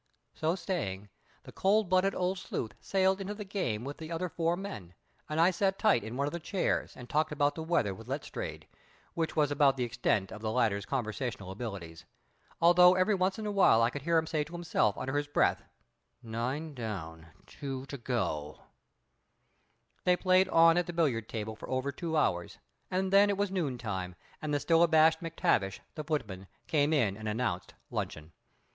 So saying, the cold blooded old sleuth sailed into the game with the other four men, and I sat tight in one of the chairs and talked about the weather with Letstrayed, which was about the extent of the latter's conversational abilities, although every once in a while I could hear him say to himself under his breath: "Nine down two to come!" They played on at the billiard table for over two hours, and then it was noontime, and the still abashed MacTavish, the footman, came in and announced luncheon.